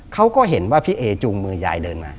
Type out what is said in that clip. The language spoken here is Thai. เขาก็เห็นว่าพี่เอจูงมือยายเดินมา